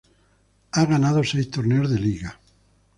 Ha ganado seis torneos de liga.